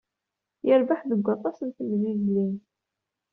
Yerbeḥ deg aṭas n temzizlin.